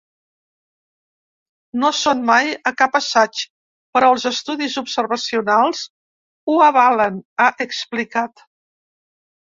No són mai a cap assaig, però els estudis observacionals ho avalen, ha explicat.